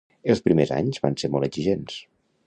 Els primers anys van ser molt exigents.